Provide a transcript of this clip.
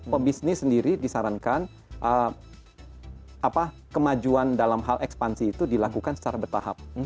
pebisnis sendiri disarankan kemajuan dalam hal ekspansi itu dilakukan secara bertahap